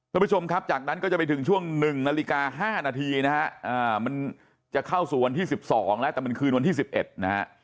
คุณผู้ชมครับจากนั้นก็จะไปถึงช่วง๑นาฬิกา๕นาทีนะฮะมันจะเข้าสู่วันที่๑๒แล้วแต่มันคืนวันที่๑๑นะฮะ